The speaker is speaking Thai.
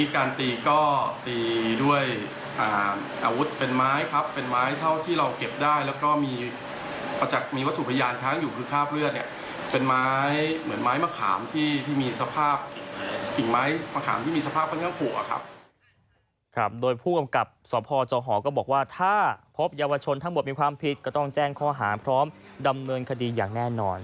๕๔ครับโดยผู้กำกับส่วนพ่อเจ้าหอก็บอกว่าท่าโพธิวชนทั้งหมดมีความผิดก็ต้องแจ้งค้าหางพร้อมดำเนินคดีอย่างแน่นอน